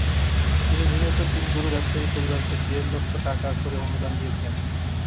তিনি নিহত তিন গরু ব্যবসায়ীর পরিবারকে দেড় লাখ টাকা করে অনুদান দিয়েছেন।